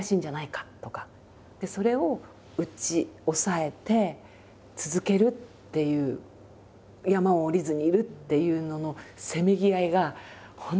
それを内抑えて続けるっていう山を下りずにいるっていうののせめぎ合いが本当に大変だった。